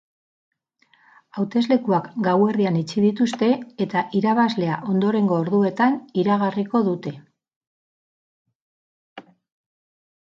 Hauteslekuak gauerdian itxi dituzte eta irabazlea ondorengo orduetan iragarriko dute.